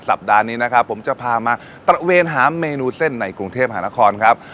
สัปดาห์นี้นะครับผมจะพามาตระเวนหาเมนูเส้นในกรุงเทพหานครครับ